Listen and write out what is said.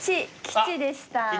吉でした。